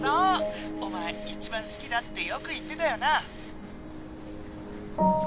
お前一番好きだってよく言ってたよな？